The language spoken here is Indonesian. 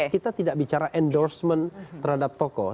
kita tidak bicara endorsement terhadap tokoh